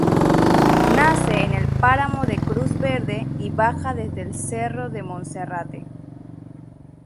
Nace en el páramo de Cruz Verde y baja desde el cerro de Monserrate.